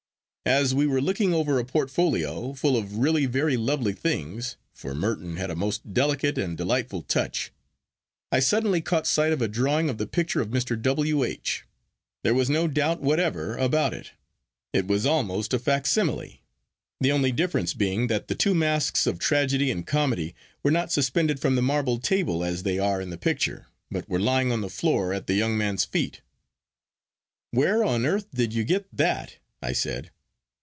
As we were looking over a portfolio, full of really very lovely things,—for Merton had a most delicate and delightful touch,—I suddenly caught sight of a drawing of the picture of Mr. W. H. There was no doubt whatever about it. It was almost a facsimile—the only difference being that the two masks of Tragedy and Comedy were not suspended from the marble table as they are in the picture, but were lying on the floor at the young man's feet. "Where on earth did you get that?" I said.